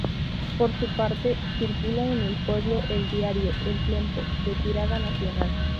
Por su parte, circula en el pueblo el diario El Tiempo, de tirada nacional.